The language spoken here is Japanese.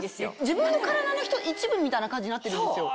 自分の体の一部みたいな感じになってるんですよ。